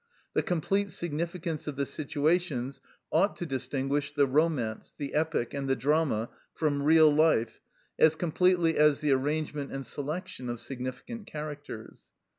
The complete significance of the situations ought to distinguish the romance, the epic, and the drama from real life as completely as the arrangement and selection of significant characters.